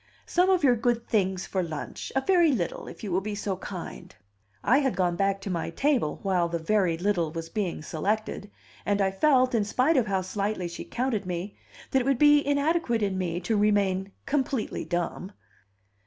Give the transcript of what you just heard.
"Some of your good things for lunch; a very little, if you will be so kind." I had gone back to my table while the "very little" was being selected, and I felt, in spite of how slightly she counted me, that it would be inadequate in me to remain completely dumb.